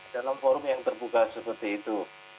dalam forum yang terbuka seperti itu